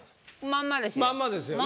まんまですよね。